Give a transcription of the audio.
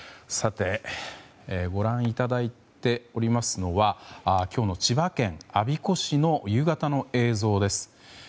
ご覧いただいておりますのは今日の千葉県我孫子市の夕方の映像です。